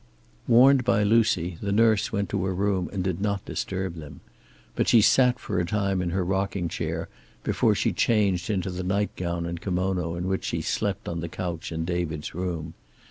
Warned by Lucy, the nurse went to her room and did not disturb them. But she sat for a time in her rocking chair, before she changed into the nightgown and kimono in which she slept on the couch in David's room.